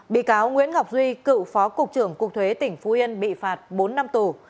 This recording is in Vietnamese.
bị cáo nguyễn ngọc duy cựu phó cục trưởng cục thuế tỉnh phú yên bị phạt bốn năm tù